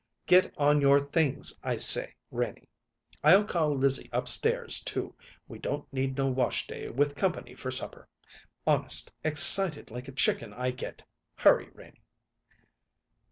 "Get on your things, I say, Renie. I'll call Lizzie up stairs too; we don't need no wash day, with company for supper. Honest, excited like a chicken I get. Hurry, Renie!"